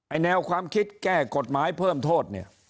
แนวความคิดแก้กฎหมายเพิ่มโทษเนี่ย